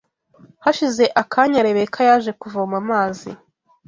Hashize akanya Rebeka yaje kuvoma amazi